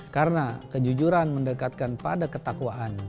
karena kejujuran mendekatkan pada ketakwaan